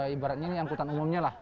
ibaratnya ini angkutan umumnya lah